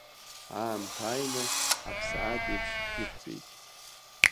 Аамҭа ааины аԥсаатәеиԥш иқәтәеит…